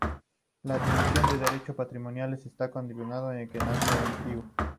La atribución de derechos patrimoniales está condicionada a que nazca vivo.